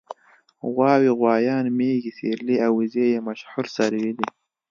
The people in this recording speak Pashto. غواوې غوایان مېږې سېرلي او وزې یې مشهور څاروي دي.